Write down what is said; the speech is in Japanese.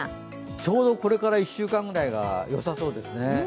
ちょうどこれから１週間くらいがよさそうですね。